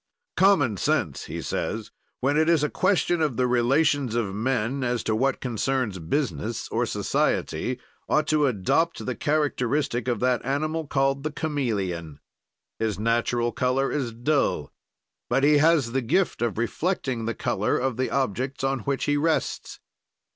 "Common sense," he says, "when it is a question of the relations of men as to what concerns business or society, ought to adopt the characteristic of that animal called the chameleon. "His natural color is dull, but he has the gift of reflecting the color of the objects on which he rests.